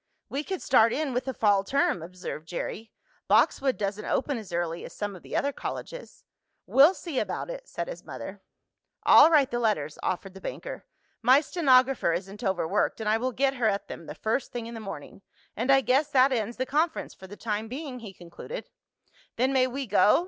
"We could start in with the fall term," observed Jerry. "Boxwood doesn't open as early as some of the other colleges." "We'll see about it," said his mother. "I'll write the letters," offered the banker. "My stenographer isn't overworked, and I will get her at them the first thing in the morning. And I guess that ends the conference, for the time being," he concluded. "Then may we go?"